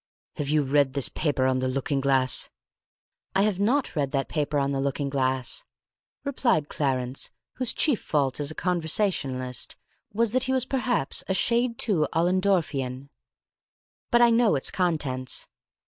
"Have you read this paper on the looking glass?" "I have not read that paper on the looking glass," replied Clarence, whose chief fault as a conversationalist was that he was perhaps a shade too Ollendorfian. "But I know its contents."